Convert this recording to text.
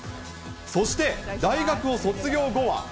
そして大学を卒業後は。